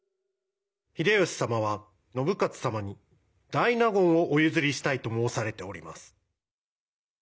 秀吉様は信雄様に大納言をお譲りしたいと申されております。